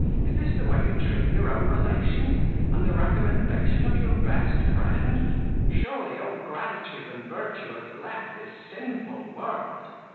is this the way you treat your own relations, and the recommendation of your best friend? Surely all gratitude and virtue has left this sinful world!